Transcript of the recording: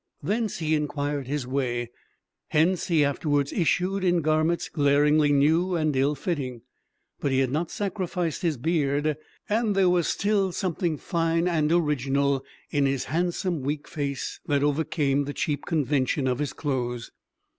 Thence he inquired his way; hence he afterwards issued in garments glaringly new and ill fitting. But he had not sacrificed his beard, and there was still something fine and original in his handsome weak face that overcame the cheap convention of his clothes.